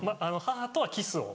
母とはキスを。